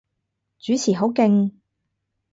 主持好勁